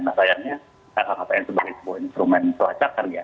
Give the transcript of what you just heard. nah sayangnya lhkpn sebagai sebuah instrumen pelacakan ya